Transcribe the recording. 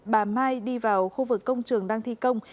bà mai đi vào khu vực công trường đang thi công